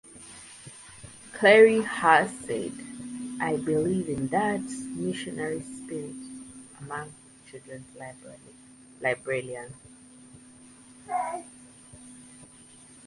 Cleary has said, I believe in that 'missionary spirit' among children's librarians.